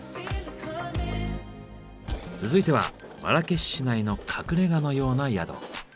続いてはマラケシュ市内の隠れ家のような宿。